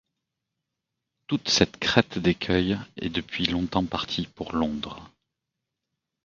Toute cette crête d’écueils est depuis longtemps partie pour Londres.